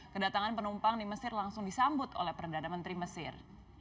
kedatangan penumpang di mesir langsung disambut oleh perdana menteri mesir